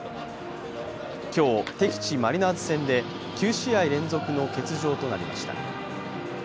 今日、敵地・マリナーズ戦で９試合連続の欠場となりました。